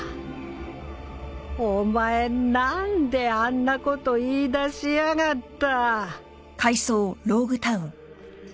お前何であんなこと言いだしやがった